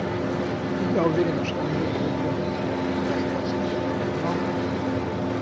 Я уверена, что он был влюблен в тебя и остался влюблен, но...